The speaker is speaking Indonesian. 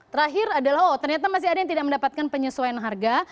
terakhir adalah oh ternyata masih ada yang tidak mendapatkan penyesuaian harga